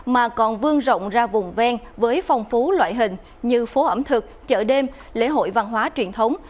mà còn vương rộng ra vùng ven với phong phú loại hình như phố ẩm thực chợ đêm lễ hội văn hóa truyền thống